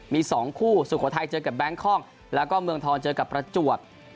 มี๒คู่สุโขทัยเจอกับแบงคอกแล้วก็เมืองทองเจอกับประจวบ